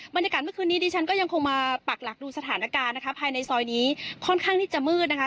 บรรยากาศเมื่อคืนนี้ดิฉันก็ยังคงมาปักหลักดูสถานการณ์นะคะภายในซอยนี้ค่อนข้างที่จะมืดนะคะ